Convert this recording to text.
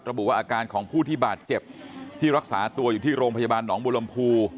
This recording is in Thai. ระบุว่าอาการของผู้ที่บาดเจ็บที่รักษาตัวอยู่ที่โรงพยาบาลหนองบุรมภู